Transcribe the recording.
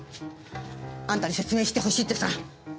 あんたに説明して欲しいってさ。